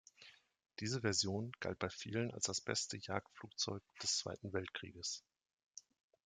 Diese Version galt bei vielen als das beste Jagdflugzeug des Zweiten Weltkrieges.